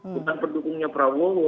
bukan pendukungnya prawowo